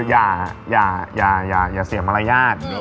อย่าเสียมารยาท